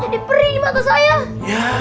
jadi perih mata saya